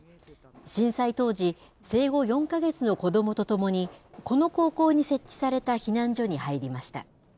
震災当時、生後４か月の子どもと共に、この高校に設置された避難所に入りました。